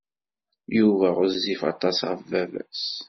Yuba ɣezzif aṭas ɣef baba-s.